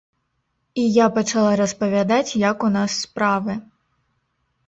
І я пачала распавядаць, як у нас справы.